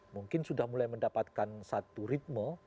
mungkin sudah mulai mendapatkan satu ritme